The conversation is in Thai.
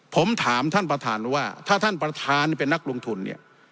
ผมถามท่านประธานว่าถ้าท่านประธานเป็นนักลงทุนเนี่ย